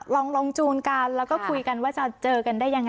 ลองลงจูนกันแล้วก็คุยกันว่าจะเจอกันได้ยังไง